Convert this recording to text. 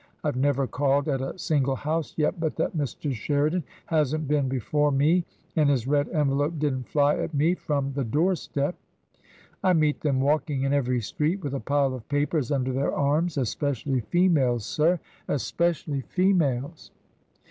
I've never called at a single house yet but that Mr. Sheridan hasn't been before me and his Red envelope didn't fly at me from the door step. I meet them walking in every street with a pile of papers under their arms, especially females, sir — especially females."